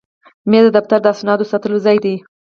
مېز د دفتر د اسنادو ساتلو ځای دی.